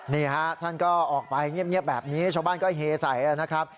นี่ฮะท่านก็ออกไปเงียบแบบนี้ชาวบ้านก็เฮใส่นะครับ